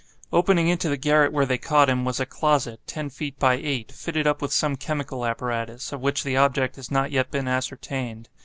Opening into the garret where they caught him, was a closet, ten feet by eight, fitted up with some chemical apparatus, of which the object has not yet been ascertained.